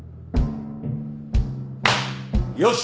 よし！